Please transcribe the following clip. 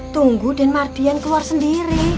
tunggu dan mardian keluar sendiri